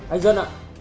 anh dân ạ